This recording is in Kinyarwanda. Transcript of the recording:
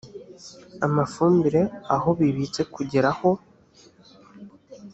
amafumbire aho bibitse kugera aho